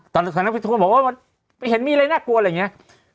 ตอนนั้นทุกคนบอกว่าเห็นมีอะไรน่ากลัวอะไรอย่างเงี้ย